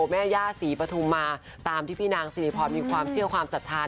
แม่ย่าศรีปฐุมมาตามที่พี่นางสิริพรมีความเชื่อความศรัทธา